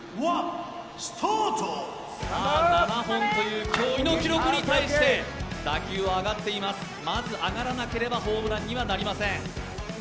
７本という驚異の記録に対して打球は上がっています、まず上がらなければホームランにはなりません。